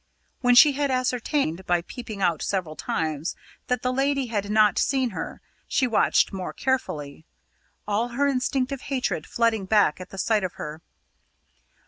When she had ascertained, by peeping out several times, that the lady had not seen her, she watched more carefully, all her instinctive hatred flooding back at the sight of her.